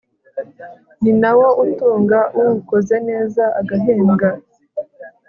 ni na wo utunga uwukoze neza agahembwa